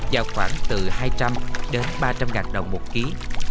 vào khoảng từ hai trăm linh đến ba trăm linh ngàn đồng một ký